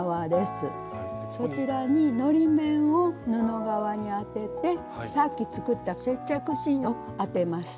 そちらにのり面を布側に当ててさっき作った接着芯を当てます。